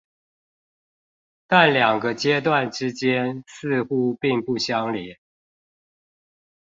但兩個階段之間似乎並不相連